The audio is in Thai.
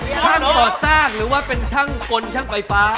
ช่างก่อสร้างหรือว่าเป็นช่างกลช่างไฟฟ้า